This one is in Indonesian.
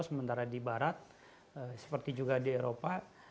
sementara di barat seperti juga di eropa